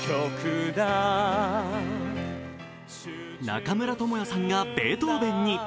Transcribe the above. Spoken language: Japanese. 中村倫也さんがベートーヴェンに。